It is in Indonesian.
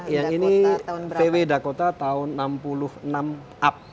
yang ini vw dakota tahun enam puluh enam up